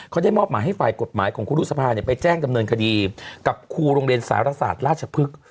เขาได้มอบหมายให้ฝ่ายกฎหมายของครูรุษภาไปแจ้งดำเนินคดีกับครูโรงเรียนสารศาสตร์ราชพฤกษ์